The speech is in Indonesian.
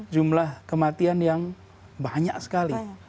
jumlah kematian yang banyak sekali